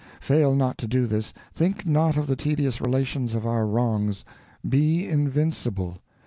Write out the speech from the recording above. Fail not to do this think not of the tedious relations of our wrongs be invincible.